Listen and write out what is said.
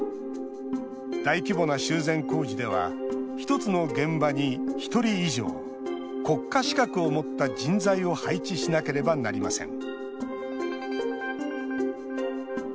大規模な修繕工事では１つの現場に１人以上国家資格を持った人材を配置しなければなりません。